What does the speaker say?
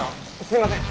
すいません。